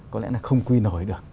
có lẽ là không quy nổi được